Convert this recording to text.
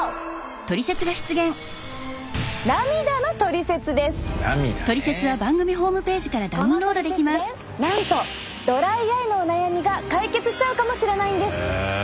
このトリセツでなんとドライアイのお悩みが解決しちゃうかもしれないんです！